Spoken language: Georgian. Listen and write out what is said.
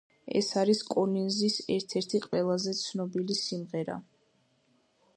ეს არის კოლინზის ერთ-ერთი ყველაზე ცნობილი სიმღერა.